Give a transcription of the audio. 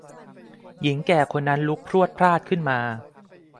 หญิงแก่คนนั้นลุกพรวดพราดขึ้นมา